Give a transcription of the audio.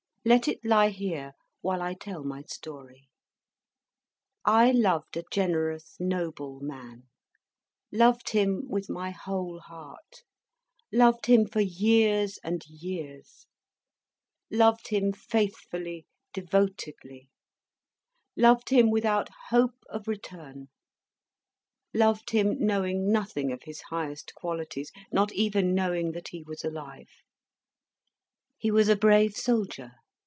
Let it lie here, while I tell my story. I loved a generous, noble man; loved him with my whole heart; loved him for years and years; loved him faithfully, devotedly; loved him without hope of return; loved him, knowing nothing of his highest qualities not even knowing that he was alive. He was a brave soldier.